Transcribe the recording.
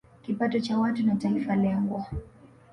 kipato cha watu na taifa lengwa